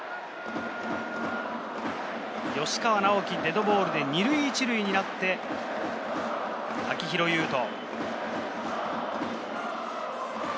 吉川尚輝、デッドボールで２塁１塁になって、秋広優人。